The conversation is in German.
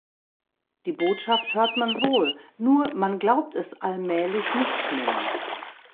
Die Botschaft hört man wohl, nur man glaubt es allmählich nicht mehr.